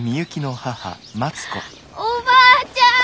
おばあちゃん！